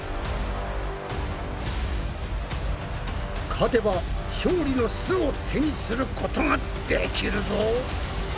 勝てば勝利の「す」を手にすることができるぞ。